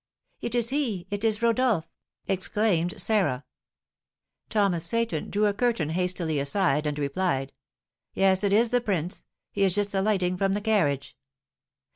"It is he! It is Rodolph!" exclaimed Sarah. Thomas Seyton drew a curtain hastily aside, and replied, "Yes, it is the prince; he is just alighting from the carriage."